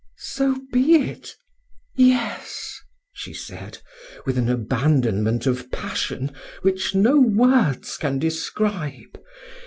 "So be it yes," she said, with an abandonment of passion which no words can describe.